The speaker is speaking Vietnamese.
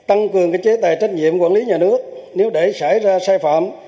tăng cường chế tài trách nhiệm quản lý nhà nước nếu để xảy ra sai phạm